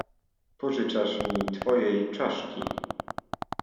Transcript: "Pożyczasz mi twojej czaszki."